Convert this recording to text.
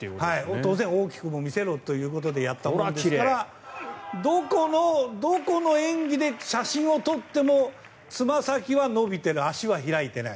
当然、大きく見せろということでやったものですからどこの演技で写真を撮ってもつま先は伸びている足は開いていない。